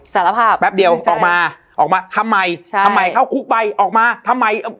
สารภาพแป๊บเดียวออกมาออกมาทำไมใช่ทำไมเข้าคุกไปออกมาทำไม